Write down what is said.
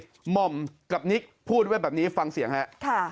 หม่อมกับนิกพูดไว้แบบนี้ฟังเสียงฮะ